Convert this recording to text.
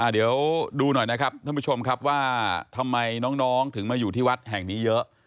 เดี๋ยวดูหน่อยนะครับท่านผู้ชมครับว่าทำไมน้องถึงมาอยู่ที่วัดแห่งนี้เยอะ